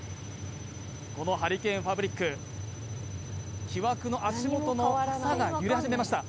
このハリケーンファブリック木枠の足元の草が揺れ始めました